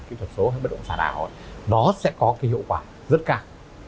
kỹ thuật số hay bất động sản ảo nó sẽ có cái hiệu quả rất cao